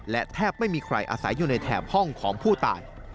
และแทบไม่มีใครอาศัยอยู่ในแถบห้องของผู้ตาย